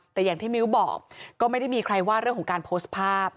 แต่อย่างที่มิ้วบอกก็ไม่ได้มีใครว่าเรื่องของการโพสต์ภาพ